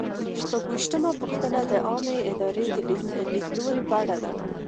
شپږویشتمه پوښتنه د عامه ادارې د لیدلوري په اړه ده.